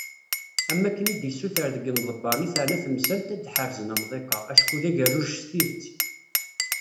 Am wakken i d-yessuter deg yimḍebbren i teεna temsalt, ad ḥerzen amḍiq-a, acku d agerruj s tidet.